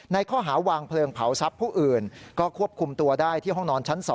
ข้อหาวางเพลิงเผาทรัพย์ผู้อื่นก็ควบคุมตัวได้ที่ห้องนอนชั้น๒